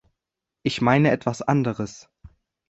Ich meine etwas anderes.